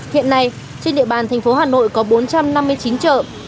hiện nay trên địa bàn thành phố hà nội có bốn trăm năm mươi chín chợ